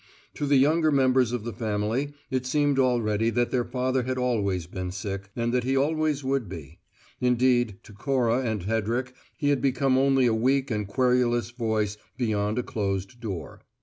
To the younger members of the family it seemed already that their father had always been sick, and that he always would be; indeed, to Cora and Hedrick he had become only a weak and querulous voice beyond a closed door.